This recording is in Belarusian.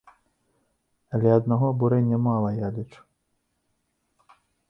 Але аднаго абурэння мала, я лічу.